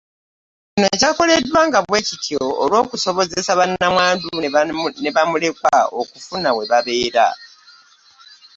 Kino kyakolebwanga bwe kityo olw’okusobozesanga bannamwandu ne bamulekwa okufuna we babeera.